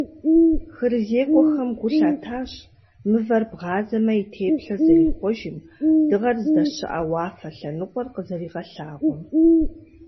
ХырызекӀуэхэм гу лъатащ, мывэр бгъазэмэ и теплъэр зэрихъуэжым, дыгъэр здэщыӀэ уафэ лъэныкъуэр къызэригъэлъагъуэм.